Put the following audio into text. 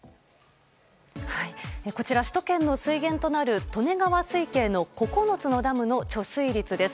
こちら、首都圏の水源となる利根川水系の９つのダムの貯水率です。